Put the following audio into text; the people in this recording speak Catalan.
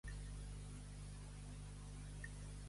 Quedar com els de Iecla.